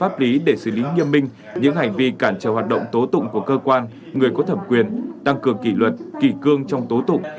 phản tố tụng của cơ quan người có thẩm quyền tăng cường kỷ luật kỷ cương trong tố tụng